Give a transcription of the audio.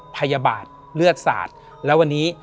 พยาบาทเลือดศาสตร์และวันนี้